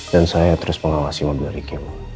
dan saya terus mengawasi mobil ricky